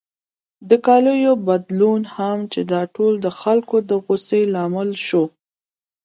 د کالیو بدلون هم چې دا ټول د خلکو د غوسې لامل شو.